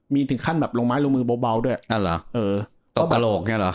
มีถึงขั้นแบบลงไม้ลงมือเบาเบาด้วยอ๋อเออเออกระโลกเนี่ยหรอ